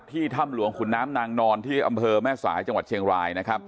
ถ้ำหลวงขุนน้ำนางนอนที่อำเภอแม่สายจังหวัดเชียงรายนะครับ